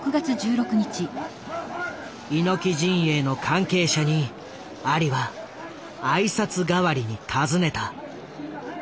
猪木陣営の関係者にアリは挨拶代わりに尋ねた。